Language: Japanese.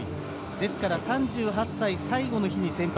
ですから３８歳最後の日に先発。